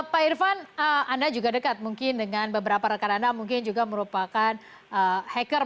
pak irvan anda juga dekat mungkin dengan beberapa rekan anda mungkin juga merupakan hacker